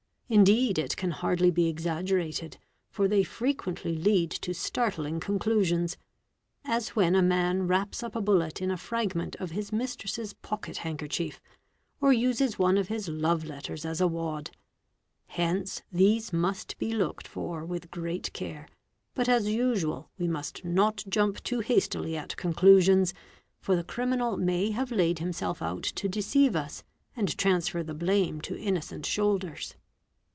Indeed it can hardly be exaggerated, for they frequently lead to startling conclu sions; as when a man wraps up a bullet in a fragment of his mistress's pocket handkerchief, or uses one of his love letters as a wad. Hence these must be looked for with great care, but as usual we must not jump too hastily at conclusions, for the criminal may have laid himself out to deceive us and transfer the blame to innocent shoulders.